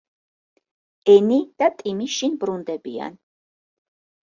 ენი და ტიმი შინ ბრუნდებიან.